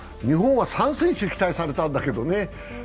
日本は３選手、期待されたんだけどね。